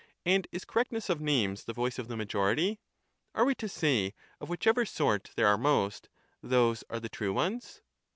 and is correctness of names the voice of the majority? Are we to say of whichever sort there are most, those are the true ones?